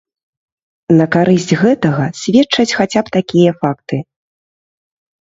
На карысць гэтага сведчаць хаця б такія факты.